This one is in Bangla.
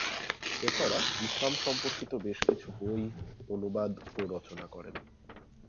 এছাড়া ইসলাম সম্পর্কিত বেশ কিছু বই অনুবাদ ও রচনা করেন।